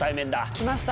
来ました。